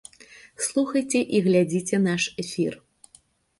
Слухайце і глядзіце наш эфір.